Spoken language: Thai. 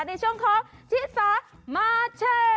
ในช่วงของชิสามาแชร์